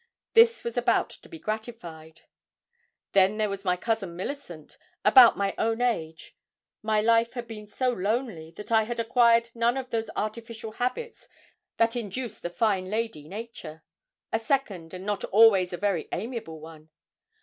This was about to be gratified. Then there was my cousin Milicent, about my own age. My life had been so lonely, that I had acquired none of those artificial habits that induce the fine lady nature a second, and not always a very amiable one.